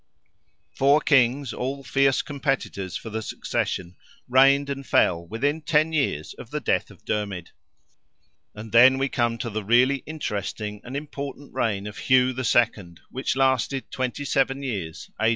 Four kings, all fierce competitors for the succession, reigned and fell, within ten years of the death of Dermid, and then we come to the really interesting and important reign of Hugh the Second, which lasted twenty seven years (A.